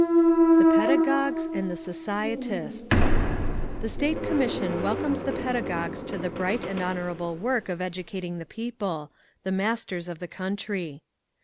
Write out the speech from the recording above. The Pedagogues and the Societists: The State Commission welcomes the pedagogues to the bright and honourable work of educating the people—the masters of the country.